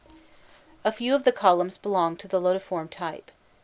A few of the columns belong to the lotiform type.